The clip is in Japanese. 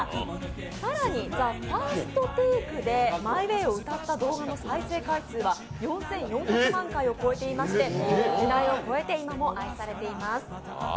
更に、「ＴＨＥＦＩＲＳＴＴＡＫＥ」で「ＭｙＷａｙ」を歌った動画の再生回数が４４００万回を超えていまして世代を超えて今も愛されています。